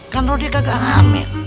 kan udah kagak hamil